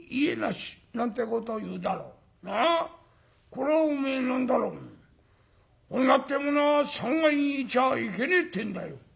これはおめえ何だろ女ってえものは３階にいちゃいけねえってんだよ」。